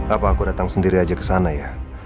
apa aku datang sendiri aja ke sana ya